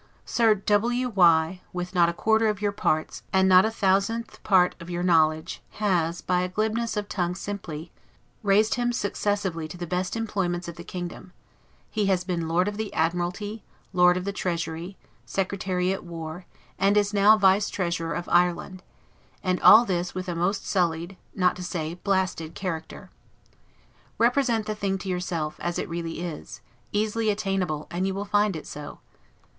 Sir W Y , with not a quarter of your parts, and not a thousandth part of your knowledge, has, by a glibness of tongue simply, raised him successively to the best employments of the kingdom; he has been Lord of the Admiralty, Lord of the Treasury, Secretary at War, and is now Vice Treasurer of Ireland; and all this with a most sullied, not to say blasted character. Represent the thing to yourself, as it really is, easily attainable, and you will find it so.